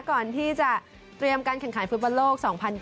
ก่อนที่จะเตรียมการแข่งขันฟุตบอลโลก๒๐๒๐